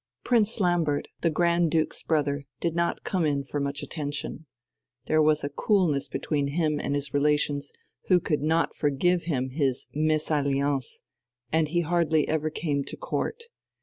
Prince Lambert, the Grand Duke's brother, did not come in for much attention. There was a coolness between him and his relations, who could not forgive him his mésalliance, and he hardly ever came to Court.